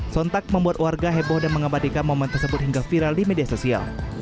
sontak membuat warga heboh dan mengabadikan momen tersebut hingga viral di media sosial